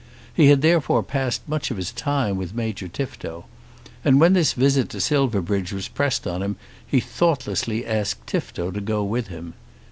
He had therefore passed much of his time with Major Tifto. And when this visit to Silverbridge was pressed on him he thoughtlessly asked Tifto to go with him.